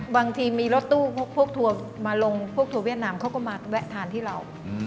บางทีมีรถตู้พวกทัวร์มาลงพวกทัวร์เวียดนามเขาก็มาแวะทานที่เรา